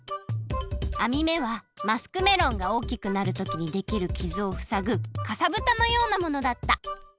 あみめはマスクメロンがおおきくなるときにできるきずをふさぐかさぶたのようなものだった！